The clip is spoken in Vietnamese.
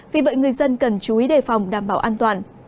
vì vậy người dân cần chú ý đề phòng đảm bảo an toàn